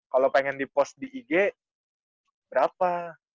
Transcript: kalau pengen di pos di ig berapa